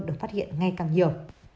được phát hiện ngày càng nhiều